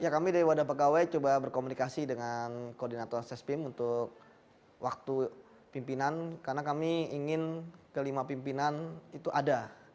ya kami dari wadah pegawai coba berkomunikasi dengan koordinator sespim untuk waktu pimpinan karena kami ingin kelima pimpinan itu ada